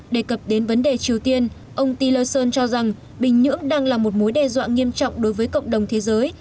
đề cập đến vấn đề triều tiên ông tillerson cho rằng bình nhưỡng đang là một mối đe dọa nghiêm trọng đối với cộng đồng thế giới